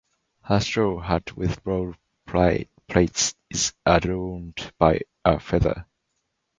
Her straw hat with broad plaits is adorned by a feather.